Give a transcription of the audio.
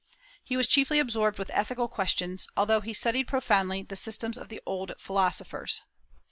He was chiefly absorbed with ethical questions, although he studied profoundly the systems of the old philosophers.